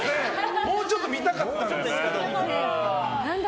もうちょっと見たかったんですけど。